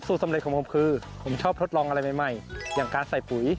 สำเร็จของผมคือผมชอบทดลองอะไรใหม่อย่างการใส่ปุ๋ย